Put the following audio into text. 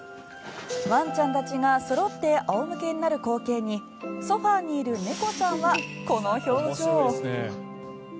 ワンちゃんたちがそろって仰向けになる光景にソファにいる猫ちゃんはこの表情。